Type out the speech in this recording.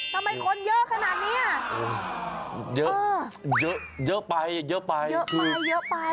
ทำไมคนเยอะขนาดเนี้ยเยอะเอ่อเยอะเยอะไปเยอะไปเยอะไปเยอะไป